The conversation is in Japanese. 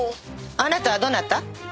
あなたはどなた？